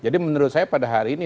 jadi menurut saya pada hari ini